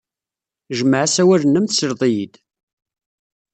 Jmeɛ asawal-nnem, tesled-iyi-d.